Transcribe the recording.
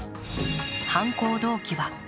犯行動機は？